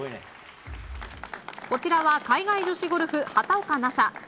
こちらは海外女子ゴルフ畑岡奈紗。